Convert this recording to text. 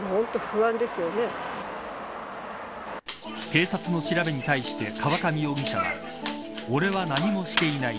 警察の調べに対して河上容疑者は俺は何もしていない。